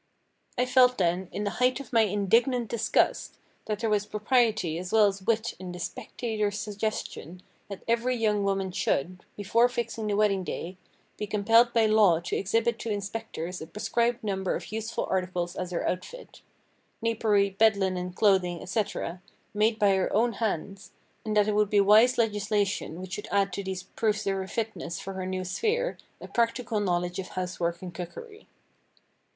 I felt then, in the height of my indignant disgust, that there was propriety as well as wit in the "Spectator's" suggestion that every young woman should, before fixing the wedding day, be compelled by law to exhibit to inspectors a prescribed number of useful articles as her outfit—napery, bed linen, clothing, etc., made by her own hands, and that it would be wise legislation which should add to these proofs of her fitness for her new sphere a practical knowledge of housework and cookery.